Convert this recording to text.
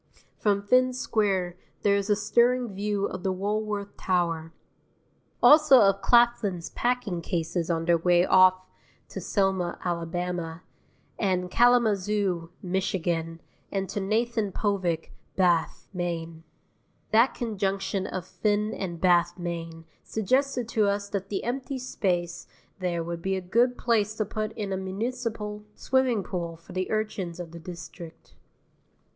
From Finn Square there is a stirring view of the Woolworth Tower. Also of Claflin's packing cases on their way off to Selma, Ala., and Kalamazoo, Mich., and to Nathan Povich, Bath, Me. That conjunction of Finn and Bath, Me., suggested to us that the empty space there would be a good place to put in a municipal swimming pool for the urchins of the district.